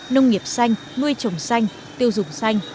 nông nghiệp xanh nuôi trồng xanh tiêu dùng xanh